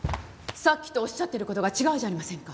さっきとおっしゃってる事が違うじゃありませんか。